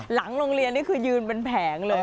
หลังโรงเรียนนี่คือยืนเป็นแผงเลย